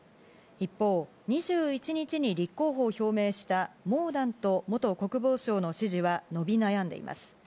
一方、２１日に立候補を表明したモーダント元国防相の支持は伸び悩んでいます。